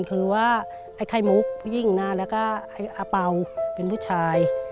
คือว่าไอ้ไข่มุกผู้หญิงนะแล้วก็ไอ้อาเป่าเป็นผู้ชาย